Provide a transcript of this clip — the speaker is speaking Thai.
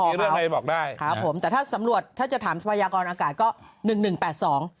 มีเรื่องใครจะบอกได้ครับผมแต่ถ้าสำรวจถ้าจะถามพยากรอากาศก็๑๑๘๒